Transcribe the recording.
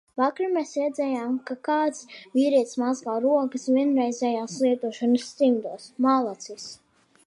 Vakar mēs redzējām, kā kāds vīrietis mazgā rokas vienreizējās lietošanas cimdos. Malacis.